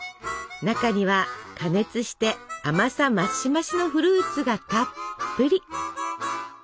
中には加熱して甘さ増し増しのフルーツがたっぷり。